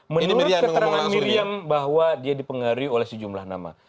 menurut keterangan miriam bahwa dia dipengaruhi oleh sejumlah nama